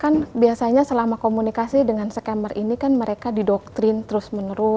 karena gini kan biasanya selama komunikasi dengan scammer ini kan mereka dihubungi